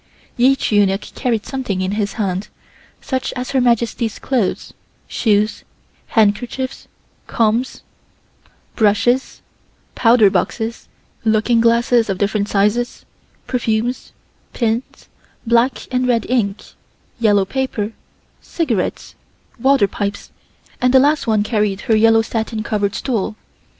Each eunuch carried something in his hand, such as Her Majesty's clothes, shoes, handkerchiefs, combs, brushes, powder boxes, looking glasses of different sizes, perfumes, pins, black and red ink, yellow paper, cigarettes, water pipes, and the last one carried her yellow satin covered stool.